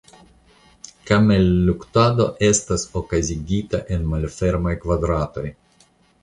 Kamelluktado estas okazigita en malfermaj kvadratoj.